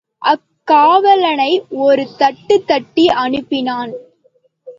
அக்காவலனை ஒரு தட்டு தட்டி அனுப்பினான்.